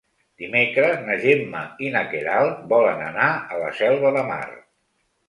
Dimecres na Gemma i na Queralt volen anar a la Selva de Mar.